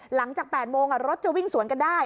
หลังจาก๘โมงรถจะวิ่งสวนกันได้